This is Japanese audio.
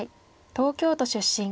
東京都出身。